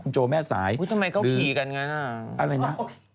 คุณโจแม่สายอุ๊ยทำไมเขากี่กันกันอ่ะอะไรนะ